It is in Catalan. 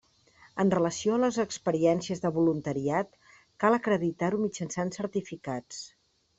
En relació a les experiències de voluntariat cal acreditar-ho mitjançant certificats.